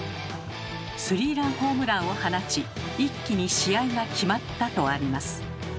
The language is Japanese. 「３ランホームランを放ち一気に試合が決まった」とあります。